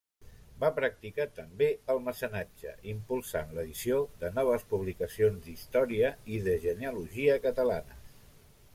Va practicar també el mecenatge impulsant l'edició de noves publicacions d'història i de genealogia catalanes.